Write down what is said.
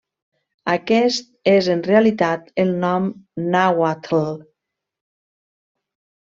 Aquest és en realitat el nom nàhuatl.